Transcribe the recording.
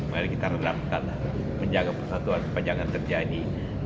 mari kita redamkan menjaga persatuan supaya jangan terjadi